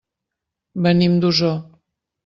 Venim d'Osor.